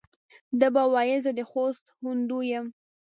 ده به ویل زه د خوست هندو یم.